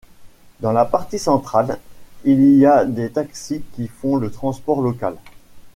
Dans la partie centrale, il y a des taxis qui font le transport local.